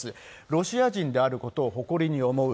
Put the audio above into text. ロシア人であることを誇りに思う。